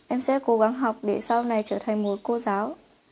em sẽ cố gắng học để sau này trở thành một cô giáo